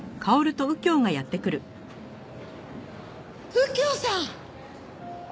右京さん！